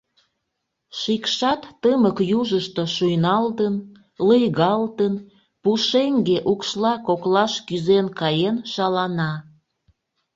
Шикшат, тымык южышто шуйналтын, лыйгалтын, пушеҥге укшла коклаш кӱзен каен шалана...